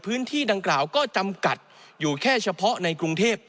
พื้นที่ดังกล่าวก็จำกัดอยู่แค่เฉพาะในกรุงเทพ